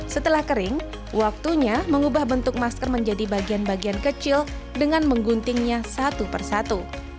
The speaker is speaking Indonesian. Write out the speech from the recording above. setelah kering waktunya mengubah bentuk masker menjadi bagian bagian kecil dengan mengguntingnya satu persatu